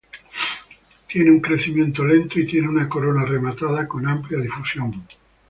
Tiene un crecimiento lento y tiene una corona rematada con amplia difusión.